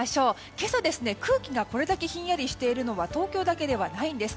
今朝、空気がこれだけひんやりしているのは東京だけではないんです。